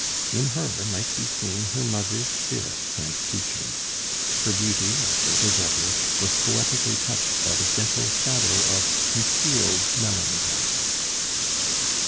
In her might be seen her mother's spirit and teaching. Her beauty, as great as ever, was poetically touched by the gentle shadow of concealed melancholy.